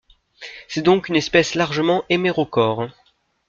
C'est donc une espèce largement hémérochore.